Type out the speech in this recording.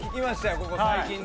ここ最近で。